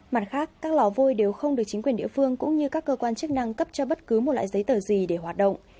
mặt khác các lò vôi đều không được chính quyền địa phương cũng như các cơ quan chức năng cấp cho bất cứ một loại giấy tờ gì để hoạt động